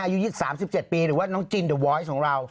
อายุยึด๓๗ปีหรือว่าน้องจินด์เดอะวอยส์ของเรา